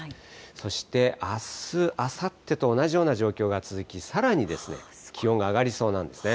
そしてあす、あさってと、同じような状況が続き、さらに気温が上がりそうなんですね。